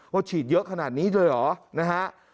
ฉีดเยอะขนาดนี้เลยเหรอนะฮะ